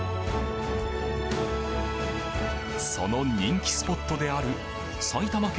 その人気スポットである埼玉県